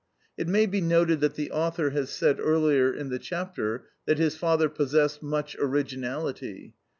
[It may be noted that the author has said earlier in the chapter that his father possessed "much originality."